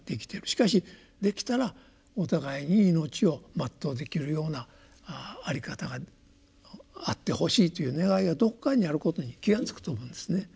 しかしできたらお互いに命を全うできるような在り方があってほしいという願いがどこかにあることに気が付くと思うんですね。